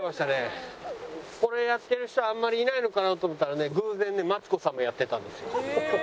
これやってる人あんまりいないのかなと思ったらね偶然ねマツコさんもやってたんですよ。